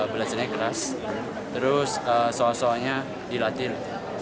belajarnya keras terus soal soalnya dilatih